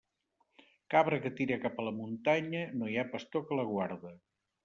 Cabra que tira cap a la muntanya, no hi ha pastor que la guarde.